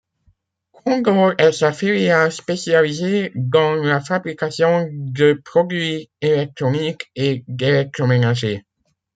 Condor est sa filiale spécialisée dans la fabrication de produits électroniques et d'électroménager.